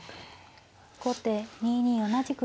後手２二同じく玉。